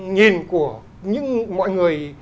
nhìn của những mọi người